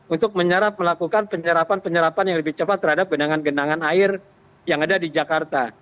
untuk melakukan penyerapan penyerapan yang lebih cepat terhadap genangan genangan air yang ada di jakarta